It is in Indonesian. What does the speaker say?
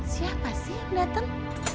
siapa sih yang datang